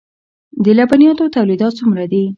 د لبنیاتو تولیدات څومره دي؟